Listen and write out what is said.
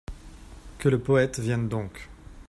Que le poète vienne donc !